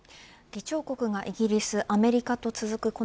議長国がイギリスアメリカと続く